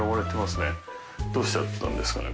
どうしちゃったんですかね